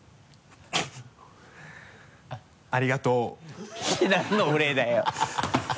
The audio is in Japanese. ありがとう。何のお礼だよ